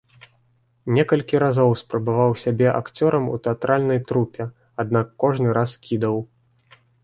Некалькі разоў спрабаваў сябе акцёрам у тэатральнай трупе, аднак кожны раз кідаў.